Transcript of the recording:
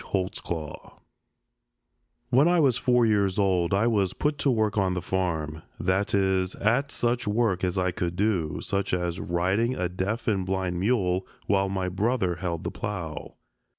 HOLTZCLAW When I was four years old I was put to work on the farm, that is, at such work as I could do, such as riding a deaf and blind mule while my brother held the plow.